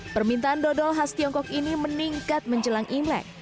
permintaan dodol khas tiongkok ini meningkat menjelang imlek